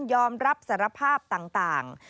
ยอมรับสารภาพต่าง